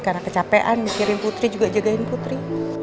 karena kecapean mikirin putri juga jagain putri